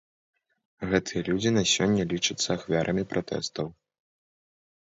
Гэтыя людзі на сёння лічацца ахвярамі пратэстаў.